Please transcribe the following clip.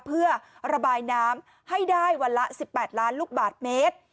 เพื่อระบายน้ำให้ได้วันละ๑๘ล้านลูกบาทเมตร